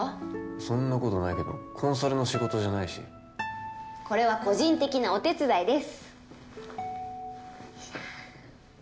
そんなことないけどコンサルの仕事じゃないしこれは個人的なお手伝いです